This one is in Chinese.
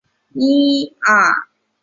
巨海豚是虎鲸般大小的剑吻古豚亲属。